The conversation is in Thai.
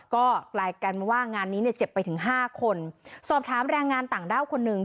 ก็กลายเป็นว่างานนี้เนี่ยเจ็บไปถึงห้าคนสอบถามแรงงานต่างด้าวคนหนึ่ง